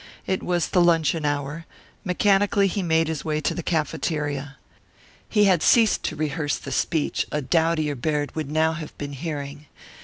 It was the luncheon hour; mechanically he made his way to the cafeteria. He had ceased to rehearse the speech a doughtier Baird would now have been hearing.